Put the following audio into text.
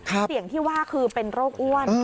เสี่ยงที่ว่าคือเป็นโรคอ้วน